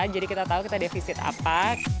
jadi kita tahu kita defisit apa